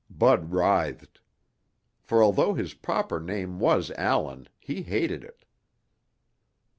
Bud writhed. For although his proper name was Allan, he hated it.